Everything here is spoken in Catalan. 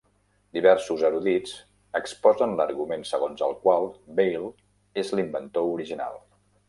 Diversos erudits exposen l'argument segons el qual Vail és l'inventor original.